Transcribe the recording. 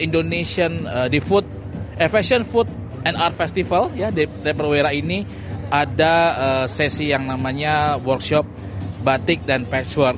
di perwera ini ada sesi yang namanya workshop batik dan patchwork